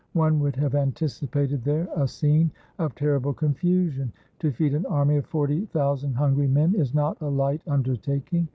One would have anticipated there a scene of terrible confusion. To feed an army of forty thousand hungry men is not a light undertaking.